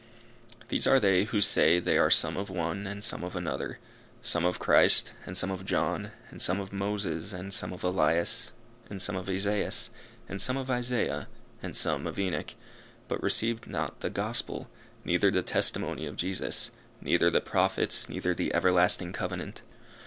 These are they who say they are some of one and some of another some of Christ, and some of John, and some of Moses, and some of Elias, and some of Esaias, and some of Isaiah, and some of Enoch; but received not the Gospel, neither the testimony of Jesus, neither the Prophets, neither the Everlasting Covenant.